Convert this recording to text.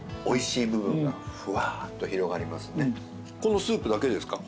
このスープだけですか？